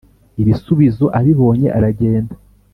Ibisubizo abibonye aragenda